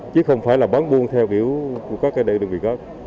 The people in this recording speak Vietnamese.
chứ không phải là bán buôn theo kiểu của các đơn vị khác